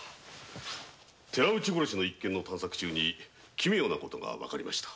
寺内殺しの一件の探索中に奇妙な事が分かりました。